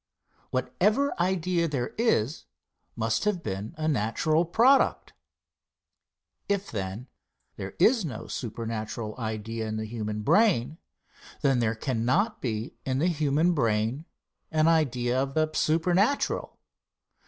Whatever idea there is must have been a natural product. If, then, there is no supernatural idea in the human brain, then there cannot be in the human brain an idea of the supernatural.